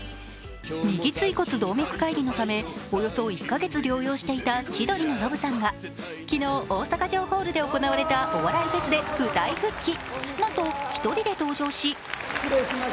右椎骨動脈解離のため、およそ１か月療養していた千鳥のノブさんが昨日、大阪城ホールで行われたお笑いフェスで舞台復帰。